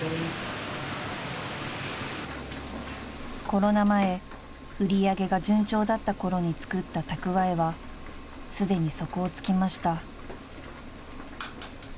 ［コロナ前売り上げが順調だった頃につくった蓄えはすでに底を突きました］